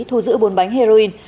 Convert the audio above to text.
thu giữ bốn bánh heroin